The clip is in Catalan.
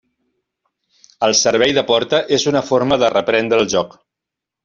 El servei de porta és una forma de reprendre el joc.